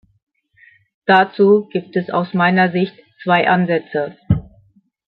Dazu gibt es aus meiner Sicht zwei Ansätze.